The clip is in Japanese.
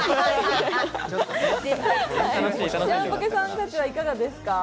ジャンポケさん、いかがですか？